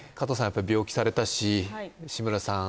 やっぱり病気されたし志村さん